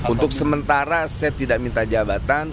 untuk sementara saya tidak minta jabatan